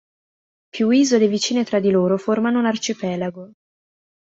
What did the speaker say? Più isole vicine tra di loro formano un arcipelago.